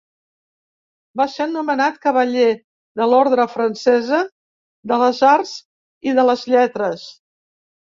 Va ser nomenat Cavaller de l'Ordre Francesa de les Arts i de les Lletres.